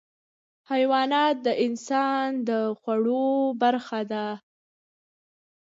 حیوانات د انسان د خوړو برخه دي.